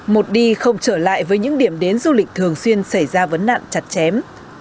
một đi không trở lại với những điểm đến du lịch thường xuyên xảy ra vấn nạn chặt chém